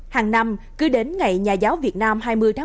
hàng năm cứ đến ngày nhà giáo việt nam hai mươi một mươi một